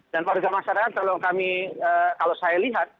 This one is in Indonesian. dan warga masyarakat kalau saya lihat